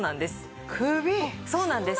そうなんですね。